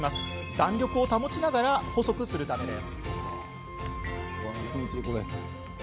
弾力を保ちながら細くするためです。